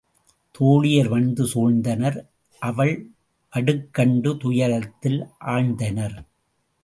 தோழியர் வந்து சூழ்ந்தனர் அவள் வடுக்கண்டு துயரத்தில் ஆழ்ந்தனர்.